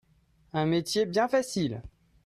Un métier bien facile.